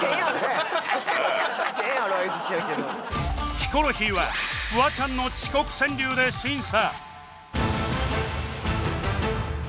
ヒコロヒーはフワちゃんの遅刻川柳で審査